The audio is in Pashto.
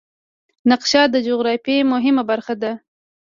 نقشه د جغرافیې مهمه برخه ده.